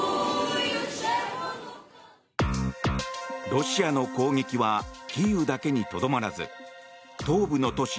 ロシアの攻撃はキーウだけにとどまらず東部の都市